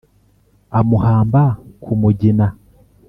amuhamba ku mugina.